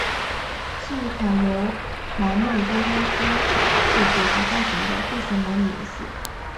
是一款由南梦宫公司制作和发行的飞行模拟游戏。